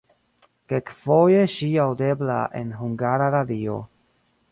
Kelkfoje ŝi aŭdebla en Hungara Radio.